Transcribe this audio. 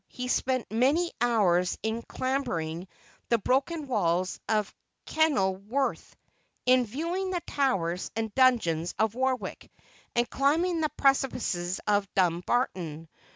He spent many hours in clambering the broken walls of Kenilworth, in viewing the towers and dungeons of Warwick, and climbing the precipices of Dumbarton.